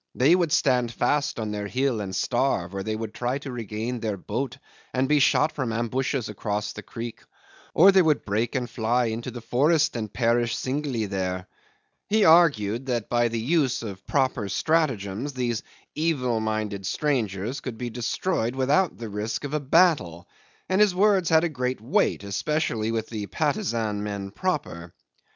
They would stand fast on their hill and starve, or they would try to regain their boat and be shot from ambushes across the creek, or they would break and fly into the forest and perish singly there." He argued that by the use of proper stratagems these evil minded strangers could be destroyed without the risk of a battle, and his words had a great weight, especially with the Patusan men proper.